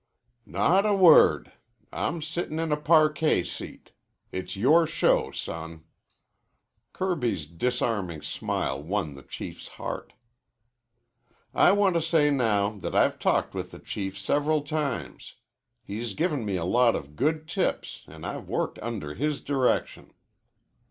"Not a wor rd. I'm sittin' in a parquet seat. It's your show, son." Kirby's disarming smile won the Chief's heart. "I want to say now that I've talked with the Chief several times. He's given me a lot of good tips an' I've worked under his direction."